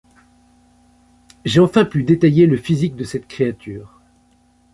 j'ai enfin pu détailler le physique de cette créature.